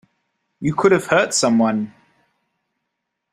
You could have hurt someone!